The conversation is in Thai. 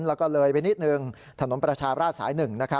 และเลยไปนิดหนึ่งถนนประชาภรรณสายหนึ่ง